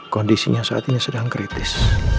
kondisinya saat ini sedang kritis